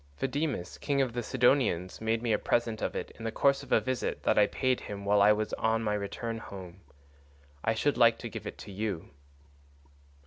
Phaedimus king of the Sidonians made me a present of it in the course of a visit that I paid him while I was on my return home. I should like to give it to you."